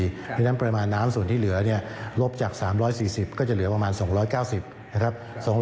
เพราะฉะนั้นปริมาณน้ำส่วนที่เหลือเนี่ยลบจาก๓๔๐ก็จะเหลือประมาณ๒๙๐นะครับ